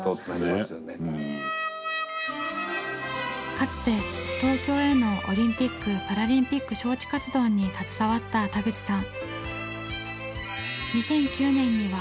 かつて東京へのオリンピック・パラリンピック招致活動に携わった田口さん。